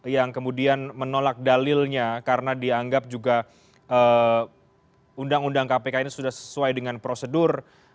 yang kemudian menolak dalilnya karena dianggap juga undang undang kpk ini sudah sesuai dengan prosedur